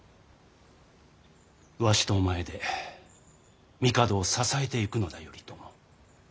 わしとお前で帝を支えていくのだ頼朝。